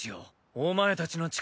お前たちの力